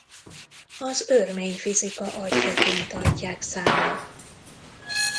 Az örmény fizika atyjaként tartják számon.